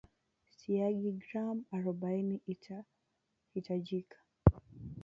siagi gram arobaini itahitajika